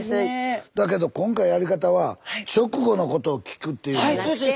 だけど今回やり方は直後のことを聞くっていうあれがよかったですね。